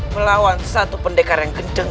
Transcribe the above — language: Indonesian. melawan satu pendekar yang kencang